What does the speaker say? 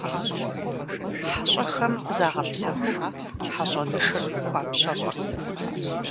ХьэщӀэхэм загъэпсэхуху, хьэщӀэнышыр хуапщэфӏырт.